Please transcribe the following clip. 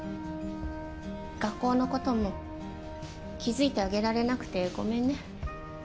学校のことも気づいてあげられなくてごめんね。